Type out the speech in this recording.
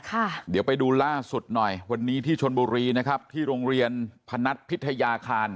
ค่ะเดี๋ยวไปดูล่าสุดหน่อยวันนี้ที่ชนบุรีนะครับที่โรงเรียนพนัทพิทยาคาร